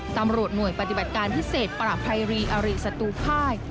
ตำรวจหน่วยปฏิบัติการพิเศษประภัยรีอาริสัตรูภาย